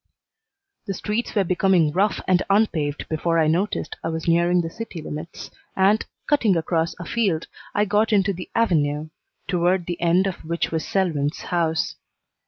The streets were becoming rough and unpaved before I noticed I was nearing the city limits, and, cutting across afield, I got into the Avenue, toward the end of which was Selwyn's house.